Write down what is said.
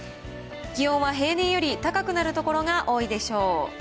気温は平年より高くなる所が多いでしょう。